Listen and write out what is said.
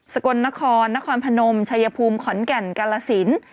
กลนครนครพนมชายภูมิขอนแก่นกาลสิน